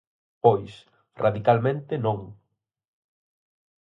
Pois, radicalmente non.